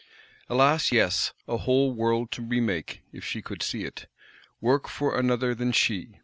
Alas, yes! a whole world to remake, if she could see it; work for another than she!